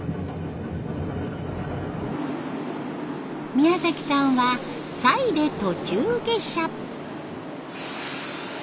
宮さんは西院で途中下車。